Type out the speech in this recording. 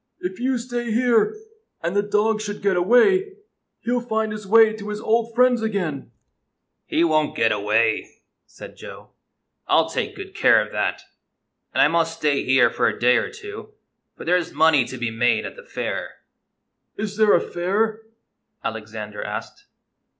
If you stay here, and the dog should get away, he 'll find his way to his old friends again." 12— Gypsy. GYPSY, THE TALKING DOG " He won't get away," said Joe. " I 'll take good care of that. And I must stay liere for a day or two, for there 's money to be made at the fair." " Is there a fair ?" Alexander asked.